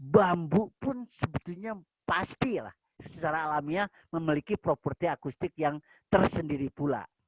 bambu pun sebetulnya pasti lah secara alamnya memiliki properti akustik yang tersendiri pula